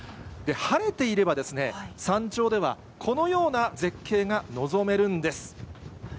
晴れていればですね、山頂ではこのような絶景が望めるんです。